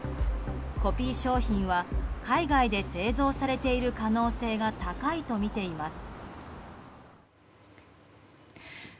コピー商品は海外で製造されている可能性が高いとみています。